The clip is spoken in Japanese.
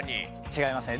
違いますね。